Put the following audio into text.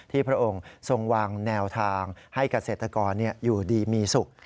พระองค์ทรงวางแนวทางให้เกษตรกรอยู่ดีมีสุข